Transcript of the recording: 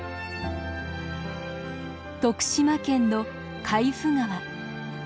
徳島県の海部川。